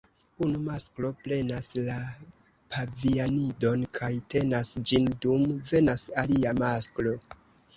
Unu masklo prenas la pavianidon kaj tenas ĝin dum venas alia masklo.